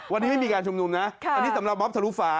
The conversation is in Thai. วันนี้ไม่มีการชุมนุมนะอันนี้สำหรับมอบทะลุฟ้า